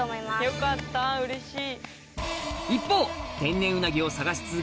よかったうれしい。